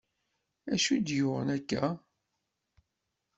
D acu i d-uɣen akka?